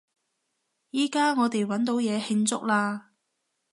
依加我哋搵到嘢慶祝喇！